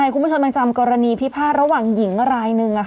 คุณผู้ชมยังจำกรณีพิพาทระหว่างหญิงรายหนึ่ง